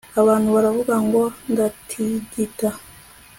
abantu baravuga ngo ndatigita